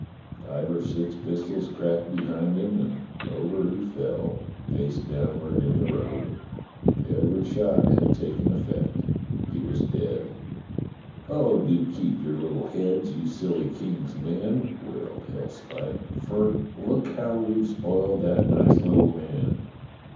Five or six pistols cracked behind him and over he fell, face downward in the road. Every shot had taken effect : he was dead. *' Oh, do keep your little heads, you silly King's men !'* wailed Hellspite, *'for look how we've spoiled that nice little man.